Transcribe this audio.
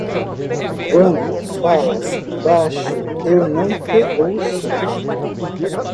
Quando falas baixo eu não te ouço.